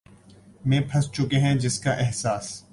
میں پھنس چکے ہیں جس کا احساس